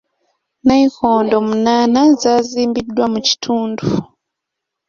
Nnayikondo munaana zaazimbiddwa mu kitundu.